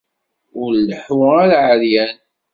Ur leḥḥu ara εeryan.